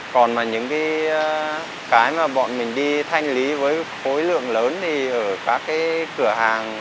còn những cái mà bọn mình đi thanh lý với khối lượng lớn thì ở các cái cửa hàng ăn cửa hàng dịch vụ